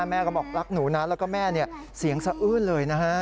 แม่ก็บอกรักหนูนะแล้วก็แม่เสียงสะอื้นเลยนะฮะ